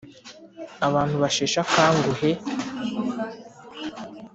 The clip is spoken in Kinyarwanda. abantu basheshe akanguhe